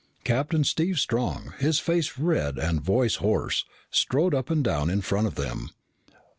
Captain Steve Strong, his face red and voice hoarse, strode up and down in front of them.